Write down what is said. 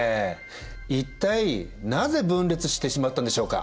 一体なぜ分裂してしまったんでしょうか。